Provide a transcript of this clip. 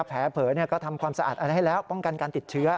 แผลเผลอก็ทำความสะอาดอะไรให้แล้วป้องกันการติดเชื้อ